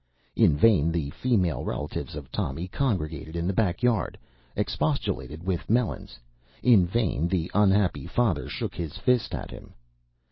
In vain the female relatives of Tommy, congregated in the back yard, expostulated with Melons; in vain the unhappy father shook his fist at him.